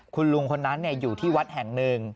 คุณลุงคนนั้นอยู่ที่วัดแห่งหนึ่ง